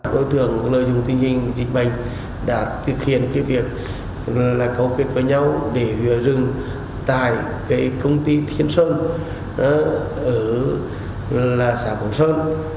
đối tượng lợi dụng tinh dịch bệnh đã thực hiện việc cấu kết với nhau để hứa rừng tại công ty thiên sơn ở xã cổng sơn